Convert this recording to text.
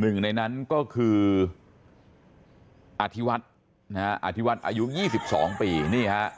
หนึ่งในนั้นก็คืออธิวัฒน์นะฮะอธิวัฒน์อายุ๒๒ปีนี่ฮะ